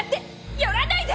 寄らないで！